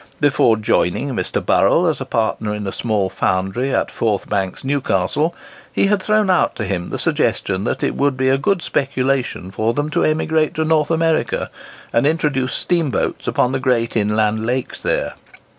Before joining Mr. Burrel as partner in a small foundry at Forth Banks, Newcastle, he had thrown out to him the suggestion that it would be a good speculation for them to emigrate to North America, and introduce steamboats upon the great inland lakes there.